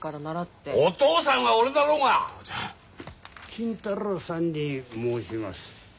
金太郎さんに申します。